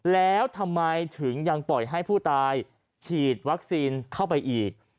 แล้วทำไมถึงยังปล่อยให้ผู้ตายฉีดวัคซีนเข้าไปอีก